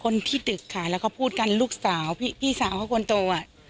คนที่ตึกค่ะแล้วก็พูดกันลูกสาวพี่สาวเขากลตัวอะ